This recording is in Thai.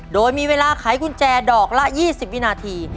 โดยมีเวลาไขกุญแจดอกละ๒๐วินาที